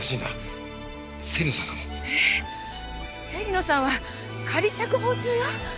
芹野さんは仮釈放中よ。